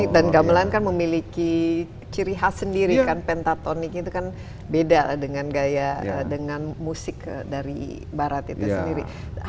dan gamelan kan memiliki ciri khas sendiri kan pentatonic itu kan beda dengan gaya dengan musik dari barat itu sendiri